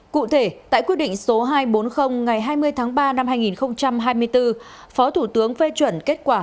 cụ thể tại quyết định số hai trăm bốn mươi ngày hai mươi tháng ba năm hai nghìn hai mươi bốn phó thủ tướng phê chuẩn kết quả